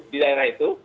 di daerah itu